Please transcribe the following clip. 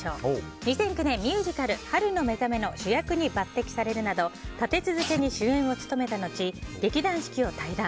２００９年、ミュージカル「春のめざめ」の主役に抜擢されるなど立て続けに主演を務めた後劇団四季を退団。